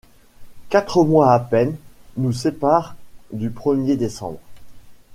Quatre mois à peine nous séparent du premier décembre!